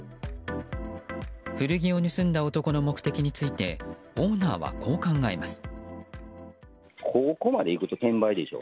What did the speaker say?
古着を盗んだ男の目的についてオーナーはこう考えます。